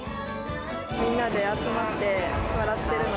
みんなで集まって笑ってるの